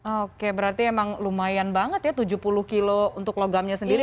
oke berarti emang lumayan banget ya tujuh puluh kilo untuk logamnya sendiri